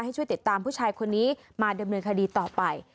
ช่วยติดตามผู้ชายคนนี้มาดำเนินคดีต่อไป